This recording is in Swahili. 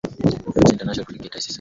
pepsi international cricket icc